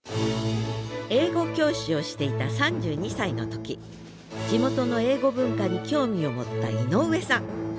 英語教師をしていた３２歳の時地元の英語文化に興味を持った井上さん。